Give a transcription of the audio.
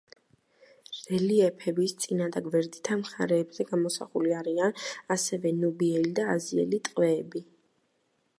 რელიეფების წინა და გვერდითა მხარეებზე გამოსახული არიან ასევე ნუბიელი და აზიელი ტყვეები.